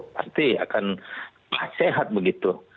pasti akan sehat begitu